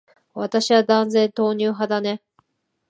私は断然、豆乳派だね。